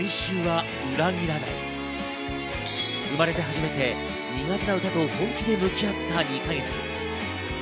生まれて初めて苦手な歌と本気で向き合った２か月。